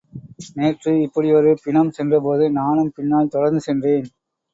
நேற்று இப்படியொரு பிணம் சென்றபோது நானும் பின்னால் தொடர்ந்து சென்றேன்.